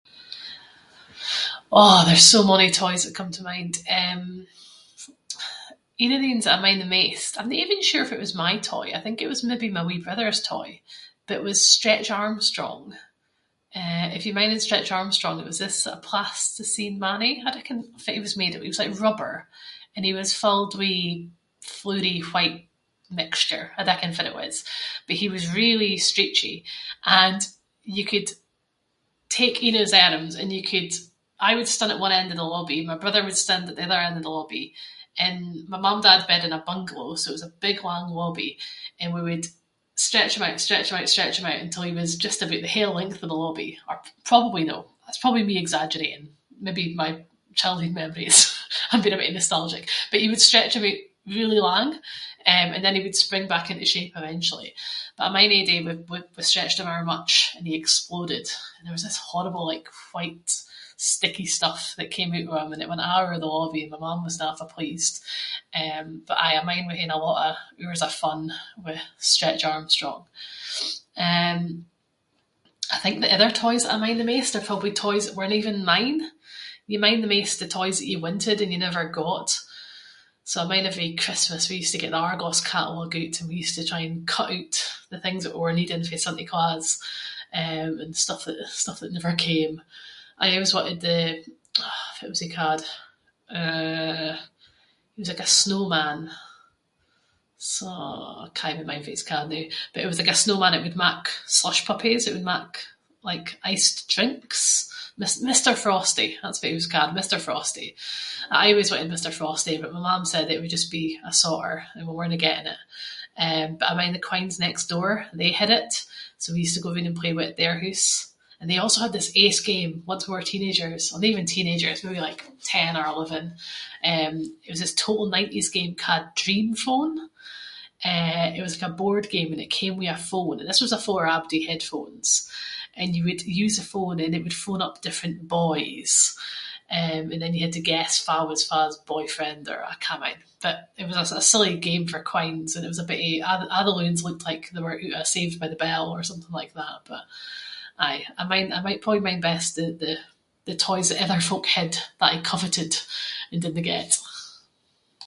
Aw there’s so many toys that come to mind. Eh ain of the ains that I mind the maist- I’m no even sure if it was my toy, I think it was maybe my wee brother’s toy, but it was Stretch Armstrong. Eh if you mind of Stretch Armstrong it was this plasticine mannie. I dinna ken fitt he was made o- he was like rubber. And he was filled with floury, white mixture, I dinna ken fitt it was, but he was really stretchy. And you could take ain of his arms and you could- I would stand at one end of the lobby, my brother would stand at the other end of the lobby- and my mum and dad bed in a bungalow so it was a big lang lobby- and we would stretch him out, stretch him out, stretch him out until he was just about the whole length of the lobby- or probably no, that’s probably me exaggerating, maybe my childhood memories I’m being a bittie nostalgic. But we would stretch him oot really lang, and he would spring back into shape eventually. But I mind ain day we stretched him ower much and he exploded, and there was this horrible like white, sticky stuff that came oot of him and it went a’ over the lobby and my mam wasnae awfu’ pleased. Eh, but aye, I mind we haed a lot of hours of fun with Stretch Armstrong. Eh I think the other toys that I mind the maist were probably toys that werenae even mine. You mind the maist the toys you wanted, and you never got. So I mind every Christmas we used to get the Argos catalogue oot and we used to try and cut oot the things that we were needing fae Santa Claus. Eh and stuff that never- stuff that never came. I aieways wanted the- ah fitt was he ca’d? Eh, he was like a snowman. Sno- cannae even mind what he was ca’d noo, but he was like a snowman that would mak Slush Puppies. It would mak like iced drinks. Mis- Mister Frosty, that’s what he was ca’d, Mister Frosty. I aieways wanted Mister Frosty but my mam said it would just be a sotter and we werenae getting it. Eh but I mind the quines next door, they had it, so we used to go roond and play with it at their hoose. And they also had this ace game, once we were teenagers- or no even teenagers, maybe like ten or eleven. Eh it was this total nineties game ca’d Dream Phone. Eh it was like a board game and it came with a phone, and this was a phone afore abody had phones. And you would use the phone and it would phone up different boys and then you had to guess fa was fa’s boyfriend, or- I cannae mind. But it was a- a silly game for quines, and it was a bittie- a’- a’ the loons looked like they were oot of Saved by the Bell or something like that. But aye, I mind- I probably mind best the- the toys that other folk had, that I coveted and didnae get.